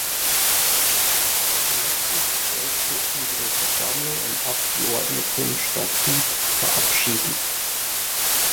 Erstens sollte unsere Versammlung ein Abgeordnetenstatut verabschieden.